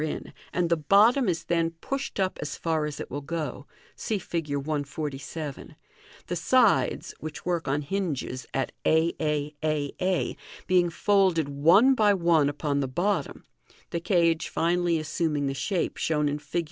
in, and the bottom is then pushed up as far as it will go (see Fig. 147), the sides, which work on hinges at a a a a, being folded one by one upon the bottom, the cage finally assuming the shape shown in Fig.